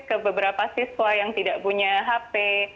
ke beberapa siswa yang tidak punya hp